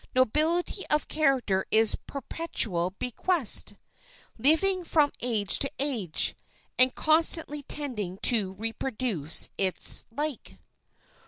Nobility of character is a perpetual bequest, living from age to age, and constantly tending to reproduce its like.